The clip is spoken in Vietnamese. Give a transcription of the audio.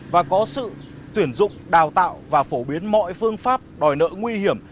và có sự tuyển dụng đào tạo và phổ biến mọi phương pháp đòi nợ nguy hiểm